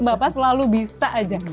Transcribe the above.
bapak selalu bisa aja